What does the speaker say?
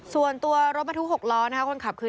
ส่วนตัวรถบรรทุก๖ล้อนะคะคนขับคือ